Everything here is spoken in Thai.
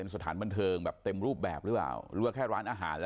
ตอนนี้กำลังจะโดดเนี่ยตอนนี้กำลังจะโดดเนี่ย